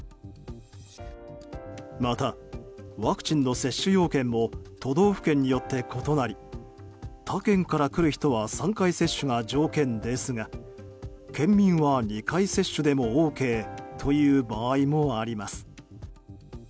また、ワクチンの接種要件も都道府県によって異なり他県から来る人は３回接種が条件ですが県民は２回接種でもＯＫという場合もあります。